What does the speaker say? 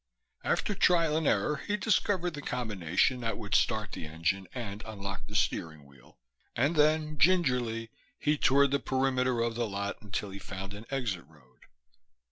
After trial and error he discovered the combination that would start the engine and unlock the steering wheel, and then gingerly he toured the perimeter of the lot until he found an exit road.